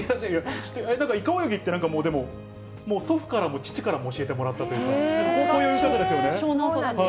なんかイカ泳ぎって、もう祖父からも、父からも教えてもらったというか、こういう泳ぎ方ですそうなんです。